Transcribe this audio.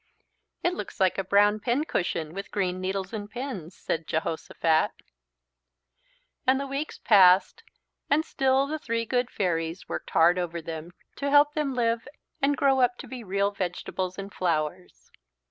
"It looks like a brown pincushion with green needles and pins," said Jehosophat. And the weeks passed and still the three good fairies worked hard over them to help them live and grow up to be real vegetables and flowers.